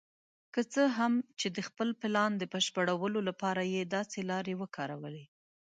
که څه هم چې د خپل پلان د بشپړولو لپاره یې داسې لارې وکارولې.